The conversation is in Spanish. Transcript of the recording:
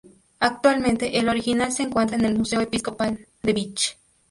Actualmente el original se encuentra en el Museo Episcopal de Vich.